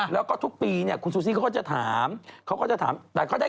แต่ปุ๊บทุกปีก็จะถามคุณวิทย์ก็จะถามคุณวิทย์